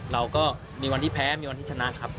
เราก็มีวันที่แพ้มีวันที่ชนะครับ